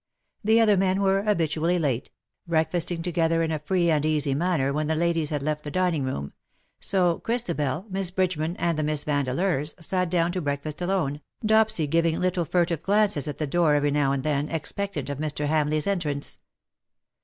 The other men were habitually late — breakfasting together in a free and easy manner when the ladies had left the dining room — so Christabel, Miss Bridgeman, and the Miss Vandeleurs sat down to breakfast alone, Dopsy giving little furtive glances at the door every now and then, expectant of Mr. Hamleigh's entrance.